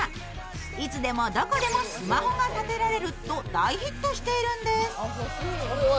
いつでもどこでもスマホが立てられると大ヒットしてるんです。